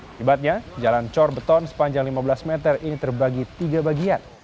akibatnya jalan cor beton sepanjang lima belas meter ini terbagi tiga bagian